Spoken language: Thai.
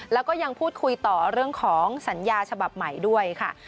แล้วก็ยังพูดคุยต่อเรื่องของสัญญาฉบับใหม่ด้วยค่ะ